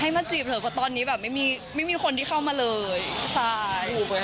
ให้มาจีบเลยเพราะตอนนี้แบบไม่มีคนที่เข้ามาเลยใช่